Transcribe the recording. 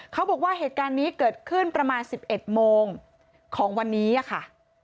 เขาบอกว่าเหตุการณ์นี้เกิดขึ้นประมาณ๑๑โมงของวันนี้ค่ะ